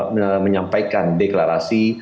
banyak pihak yang menyampaikan deklarasi